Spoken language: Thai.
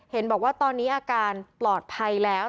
เห็นบอกว่าตอนนี้อาการปลอดภัยแล้ว